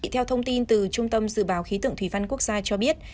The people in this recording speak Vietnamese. theo thông tin từ trung tâm dự báo khí tượng thủy văn quốc gia cho biết